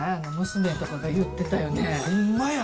ホンマや。